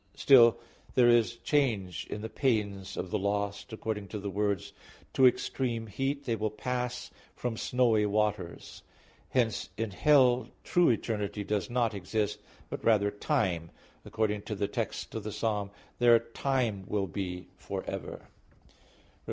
Still, there is change in the pains of the lost, according to the words "To extreme heat they will pass from snowy waters" (Job 24:19). Hence in hell true eternity does not exist, but rather time; according to the text of the Psalm "Their time will be for ever" (Ps.